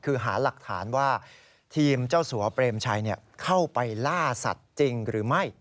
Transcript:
คือหาหลักฐานว่าทีมเจ้าสัวเปรมชัยเข้าไปล่าสัตว์จริงหรือไม่